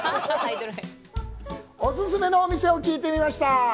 お勧めのお店を聞いてみました。